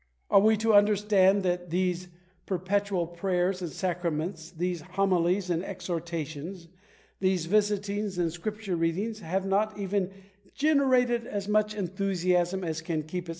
Are we to understand that these perpetual prayers and sacraments, these homilies and exhortations, these visitings and scripture readings, have not even generated as much enthusiasm as can keep itself alive